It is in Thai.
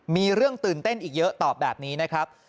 มีเรื่องตื่นเต้นอีกเยอะตอบแบบนี้นะครับ